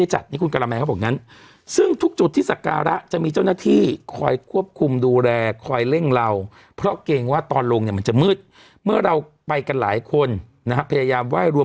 ไห้กับหัวก็แห้งแล้วแป๊บเดียว